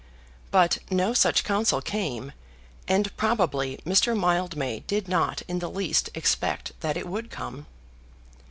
But no such counsel came, and probably Mr. Mildmay did not in the least expect that it would come.